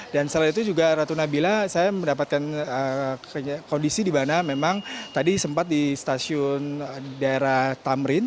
dan setelah itu juga ratu nabila saya mendapatkan kondisi di mana memang tadi sempat di stasiun daerah tamrin